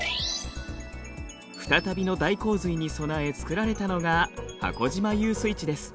再びの大洪水に備え造られたのが母子島遊水地です。